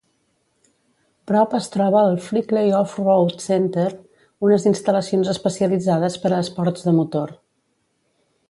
Prop es troba el "Frickley Off-road Centre", unes instal·lacions especialitzades per a esports de motor.